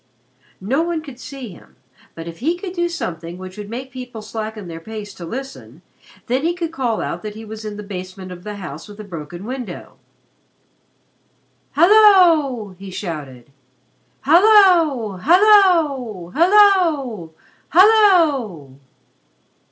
No one could see him, but if he could do something which would make people slacken their pace to listen, then he could call out that he was in the basement of the house with the broken window. "Hallo!" he shouted. "Hallo! Hallo! Hallo! Hallo!"